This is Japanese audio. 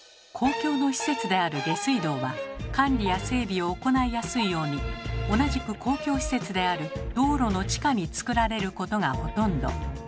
公共の施設である下水道は管理や整備を行いやすいように同じく公共施設である道路の地下につくられることがほとんど。